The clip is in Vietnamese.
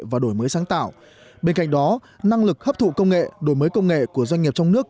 và đổi mới sáng tạo bên cạnh đó năng lực hấp thụ công nghệ đổi mới công nghệ của doanh nghiệp trong nước